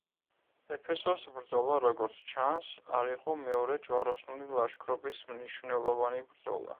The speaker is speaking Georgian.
ეფესოს ბრძოლა, როგორც ჩანს, არ იყო მეორე ჯვაროსნული ლაშქრობის მნიშვნელოვანი ბრძოლა.